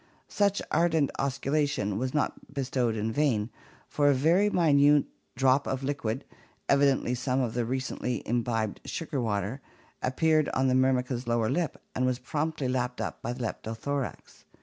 Such ardent osculation was not bestowed in vain, for a very minute drop of liquid — evidently some of the recently imbibed sugar water — appeared on the Myrmica's lower lip and was promptly lapped up by the Leptothorax.